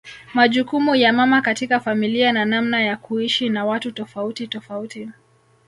Majukumu ya mama katika familia na namna ya kuishi na watu tofauti tofauti